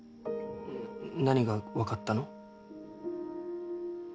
何が分かったの？